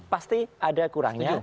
pasti ada kurangnya